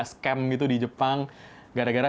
scam gitu di jepang gara gara